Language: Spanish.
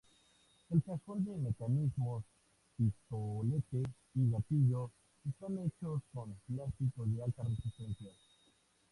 El cajón de mecanismos, pistolete y gatillo están hechos con plásticos de alta resistencia.